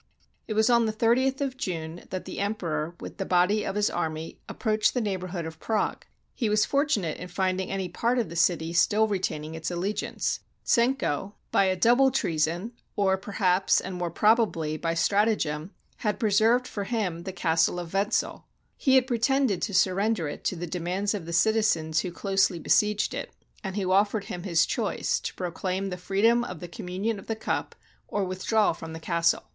It was on the 30th of June, that the Emperor with the body of his army approached the neighborhood of Prague. He was fortunate in finding any part of the city still retaining its allegiance. Czenko, by a double 275 AUSTRIA HUNGARY treason, — or perhaps, and more probably, by strata gem, — had preserved for him the castle of Wenzel. He had pretended to surrender it to the demands of the citi zens who closely besieged it, and who offered him his choice, to proclaim the freedom of the communion of the cup, or withdraw from the castle.